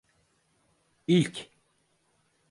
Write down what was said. İlk…